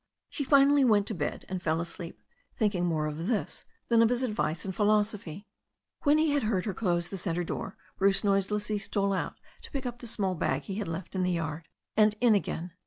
She finally went to bed and fell asleep thinking more of this than of his advice and philosophy. When he had heard her close the centre door, Bruce noiselessly stole out to pick up the small bag he had left in the yard, and in again.